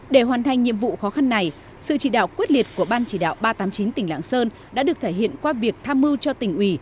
để hoàn thành nhiệm vụ khó khăn này sự chỉ đạo quyết liệt của ban chỉ đạo ba trăm tám mươi chín tỉnh lạng sơn đã được thể hiện qua việc tham mưu cho tỉnh ủy